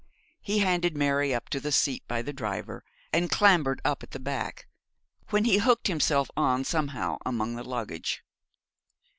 He handed Mary up to the seat by the driver, and clambered up at the back, when he hooked himself on somehow among the luggage.